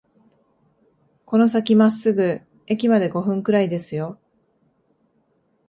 この先まっすぐ、駅まで五分くらいですよ